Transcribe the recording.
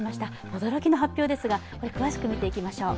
驚きの発表ですが、詳しく見ていきましょう。